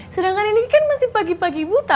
sedangkan ini kan masih pagi pagi buta